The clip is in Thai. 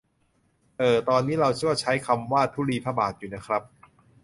เอ่อ ตอนนี้เราก็ใช้คำว่า ธุลีพระบาท อยู่นะครับ